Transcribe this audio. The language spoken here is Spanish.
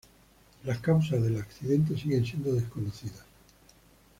Las causas del accidente siguen siendo desconocidas.